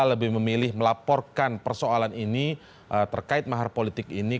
lebih memilih melaporkan persoalan ini terkait mahar politik ini